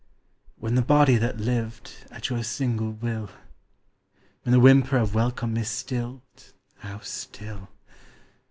When the body that lived at your single will When the whimper of welcome is stilled (how still!)